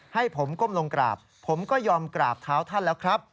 ให้ผมก้มลงกราบผมก็ยอมกราบเท้าท่านแล้วครับ